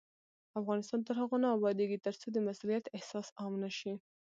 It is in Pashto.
افغانستان تر هغو نه ابادیږي، ترڅو د مسؤلیت احساس عام نشي.